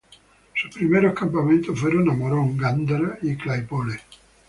Sus primeros campamentos fueron a Morón, Gándara y Claypole.